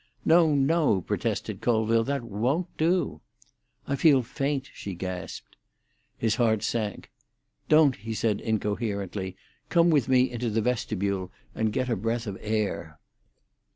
"No, no," protested Colville; "that won't do." "I feel faint," she gasped. His heart sank. "Don't," he said incoherently. "Come with me into the vestibule, and get a breath of air."